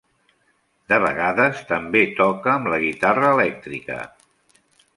De vegades, també toca amb la guitarra elèctrica.